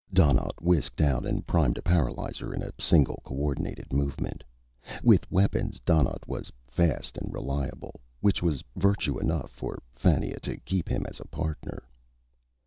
Donnaught whisked out and primed a paralyzer in a single coordinated movement. With weapons, Donnaught was fast and reliable, which was virtue enough for Fannia to keep him as a partner.